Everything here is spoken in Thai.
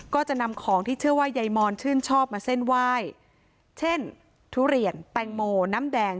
ก็จะนำของที่เชื่อว่ายายมอนชื่นชอบมาเส้นไหว้เช่นทุเรียนแตงโมน้ำแดง